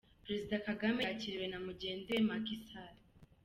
Perezida Kagame yakiriwe na mugenzi we Macky Sall